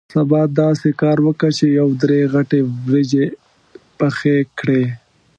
سبا داسې کار وکه چې یو درې غټې وریجې پخې کړې.